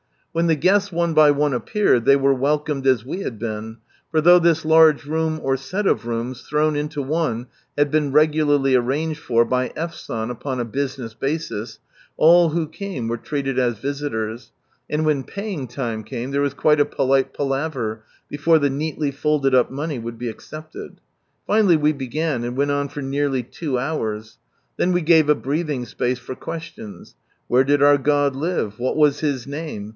When the guests one by one appeared they were welcomed as we had been, (for though this large room or set of rooms thrown into one had been regularly arranged for by F. San upon a business basis, all who came J were treated as visitors, and when paying time came, there was quite a polite palaver, before the neatly folded up money would be accepted). Finally we began, and | went on for nearly two hours. Then we gave a brealhing space for questions. " Where did our God live? What was His name?"